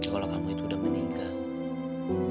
kalau kamu itu udah meninggal